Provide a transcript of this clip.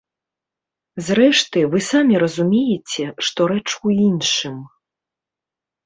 Зрэшты, вы самі разумееце, што рэч у іншым.